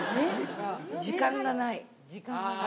時間がない。